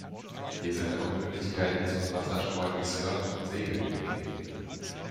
Hier sind auch Möglichkeiten zum Wassersport wie Surfen und Segeln gegeben.